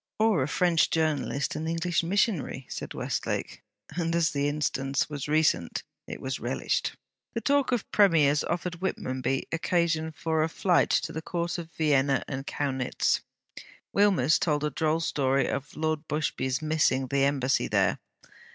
'Or a French journalist an English missionary,' said Westlake; and as the instance was recent it was relished. The talk of Premiers offered Whitmonby occasion for a flight to the Court of Vienna and Kaunitz. Wilmers told a droll story of Lord Busby's missing the Embassy there.